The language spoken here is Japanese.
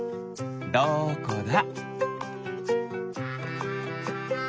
どこだ？